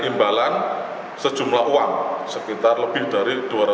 iwan sutrisman tni al